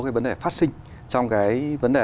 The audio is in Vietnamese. cái vấn đề phát sinh trong cái vấn đề